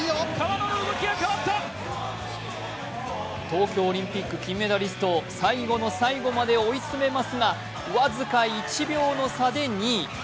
東京オリンピック金メダリストを最後の最後まで追い詰めますが僅か１秒の差で２位。